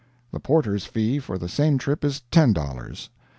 The porter's fee for the same trip is ten dollars.